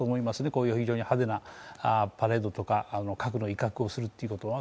こういう非常に派手なパレードとか核の威嚇をするっていうのは。